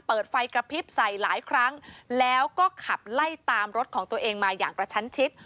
เปิดไฟกระพริบใส่หลายครั้งแล้วก็ขับไล่ตามรถของตัวเองมาอย่างกระชั้นชิด